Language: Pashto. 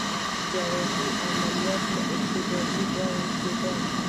جراحي عملیات په ابتدایی ډول کیدل